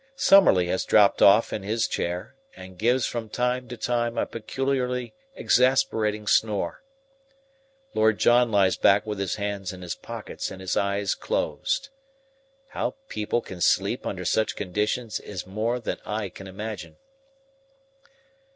Summerlee has dropped off in his chair and gives from time to time a peculiarly exasperating snore. Lord John lies back with his hands in his pockets and his eyes closed. How people can sleep under such conditions is more than I can imagine.